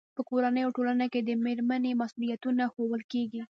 په کورنۍ او ټولنه کې د مېرمنې مسؤلیتونه ښوول کېږي.